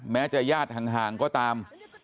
แม้จะญาติห่างก็ตาม